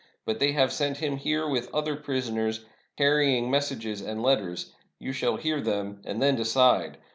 But they have sent him here with other prisoners, carrying messages and letters — you shall hear them and then decide.